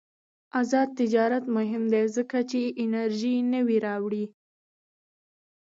آزاد تجارت مهم دی ځکه چې انرژي نوې راوړي.